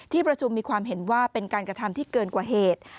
ประชุมมีความเห็นว่าเป็นการกระทำที่เกินกว่าเหตุ